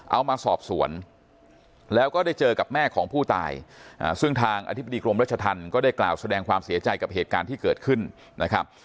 เอามาสอบสวนแล้วก็ได้เจอกับแม่ของผู้ตายซึ่งทางอธิบดีกรมรัชธรรมก็ได้กล่าวแสดงความเสียใจกับเหตุการณ์ที่เกิดขึ้นนะครับ